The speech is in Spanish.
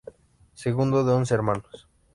Segundo de once hermanos.